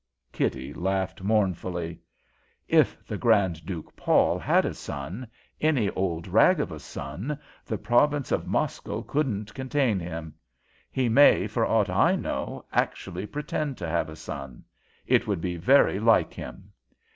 Kitty laughed mournfully. "If the Grand Duke Paul had a son, any old rag of a son, the province of Moscow couldn't contain him! He may, for aught I know, actually pretend to have a son. It would be very like him."